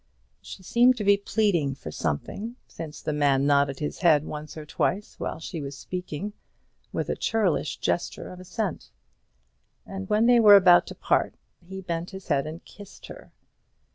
She seemed to be pleading for something, since the man nodded his head once or twice while she was speaking, with a churlish gesture of assent; and when they were about to part he bent his head and kissed her.